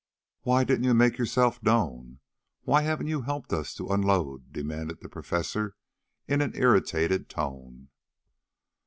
"Why didn't you make yourself known why haven't you helped us to unload?" demanded the Professor in an irritated tone.